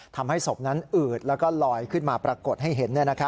ทำให้ศพนั้นอืดแล้วก็ลอยขึ้นมาปรากฏให้เห็น